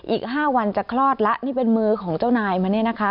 อีก๕วันจะคลอดแล้วนี่เป็นมือของเจ้านายมาเนี่ยนะคะ